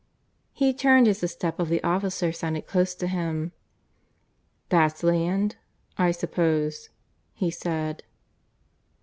He turned as the step of the officer sounded close to him. "That's land, I suppose?" he said.